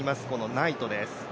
ナイトです。